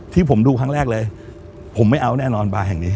ที่ผมดูครั้งแรกเลยผมไม่เอาแน่นอนบาร์แห่งนี้